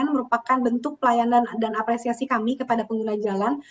merupakan bentuk pelayanan dan apresiasi kami kepada pengguna jalan